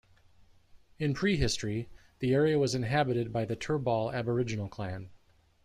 In prehistory, the area was inhabited by the Turrbal Aboriginal clan.